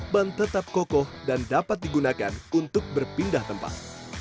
ban tetap kokoh dan dapat digunakan untuk berpindah tempat